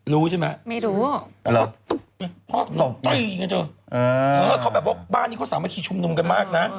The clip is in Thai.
รู้ใช่ไหม